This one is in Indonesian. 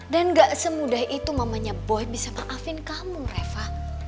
dan gak semudah itu mamanya boy bisa maafin kamu reva